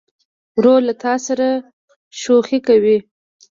ورور له تا سره شوخي کوي.